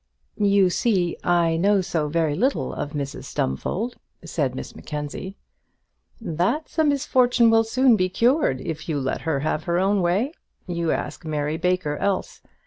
"You see I know so very little of Mrs Stumfold," said Miss Mackenzie. "That's a misfortune will soon be cured if you let her have her own way. You ask Mary Baker else.